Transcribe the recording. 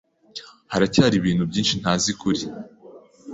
Haracyari ibintu byinshi ntazi kuri .